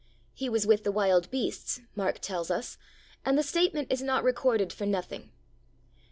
'He was with the wild beasts,' Mark tells us, and the statement is not recorded for nothing.